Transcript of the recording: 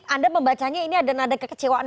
anda membacanya ini ada nada kekecewaan